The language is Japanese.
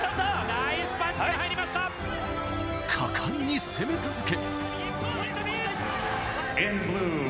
果敢に攻め続け。